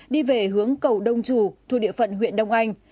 đi về hướng cầu đông trù thu địa phận huyện đông anh